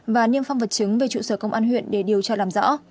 và niêm phong vật chứng về trụ sở công an huyện để điều tra làm rõ